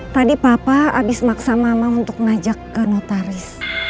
tadi papa abis maksa mama untuk ngajak ke notaris